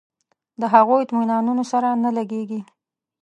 د هغو اطمینانونو سره نه لګېږي.